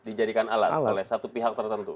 dijadikan alat oleh satu pihak tertentu